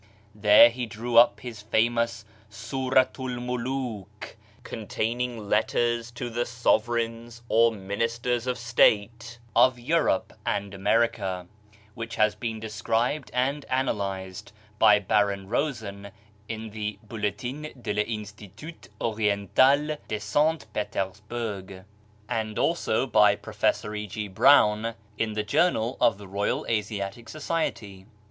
There he drew up his famous S&ratu'l Muluk, containing letters to the sovereigns or ministers of state of Europe and America, which has been described and analysed by Baron Rosen in the Bulletin de I'lnstitut Oriental de Saint Peter sbourg, 75 76 BAHAISM and also by Professor E. G. Browne in the Journal of the Royal Asiatic Society.